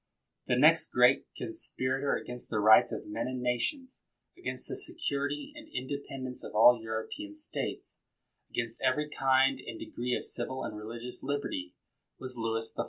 The next great conspirator against the rights of men and of nations, against the security and independence of all European states, against every kind and degree of civil and religious liberty, was Louis XIY.